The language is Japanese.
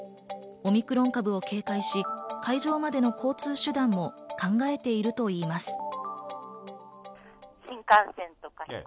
オミクロン株を警戒し、会場までの交通手段も考えているといいます。